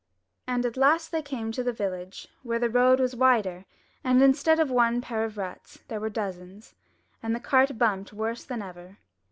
And at last they came to the village, where the road was wider; and instead of one pair of ruts there were dozens, and the cart bumped worse than ever.